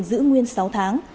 giữ nguyên sáu tháng